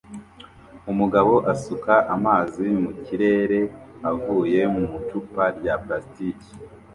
Umugabo asuka amazi mu kirere avuye mu icupa rya plastiki